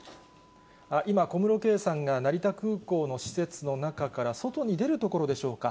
今、小室圭さんが成田空港の施設の中から、外に出るところでしょうか。